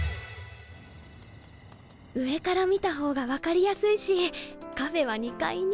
上から見た方が分かりやすいしカフェは２階に。